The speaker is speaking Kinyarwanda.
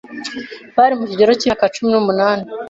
bari mu kigero cy'imyaka cumi numunani